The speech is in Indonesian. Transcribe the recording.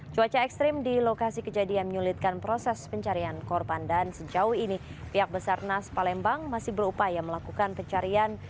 cuaca ekstrim di lokasi kejadian menyulitkan proses pencarian korban dan sejauh ini pihak basarnas palembang masih berupaya melakukan pencarian